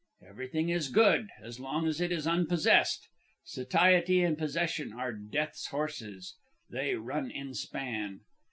Everything is good... as long as it is unpossessed. Satiety and possession are Death's horses; they run in span.